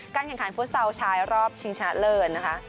การแข่งขานฟุตเซลล์ใช้รอบชิงชะเลิน